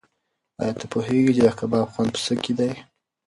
ایا ته پوهېږې چې د کباب خوند په څه کې دی؟